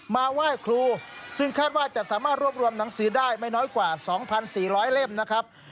มาไหว้ครูซึ่งคาดว่าจะสามารถรวบรวมหนังสือได้ไม่น้อยกว่า๒๔๐๐เล่มนะครับ